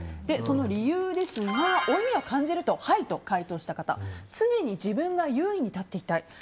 その理由、負い目を感じるにはいと回答した方常に自分が優位に立っていたい。